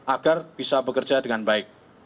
agar bisa bekerja dengan baik